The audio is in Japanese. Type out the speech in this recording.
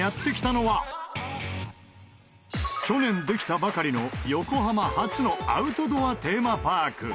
去年できたばかりの横浜初のアウトドアテーマパーク。